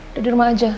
udah dirumah aja